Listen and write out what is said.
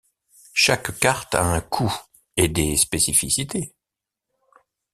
Chaque carte à un coût et des spécificités.